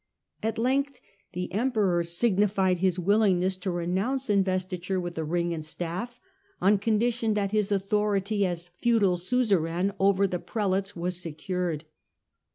At length the emperor C.H. yGoogk 2 1 HiLDEBRAND Bignified his willingness to renounce investiture with the ring and staff, on condition that his authority as feudal suzerain over the prelates was secured.